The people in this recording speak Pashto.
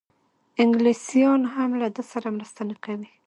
انګلیسیان هم له ده سره مرسته نه کوي.